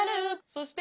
そして。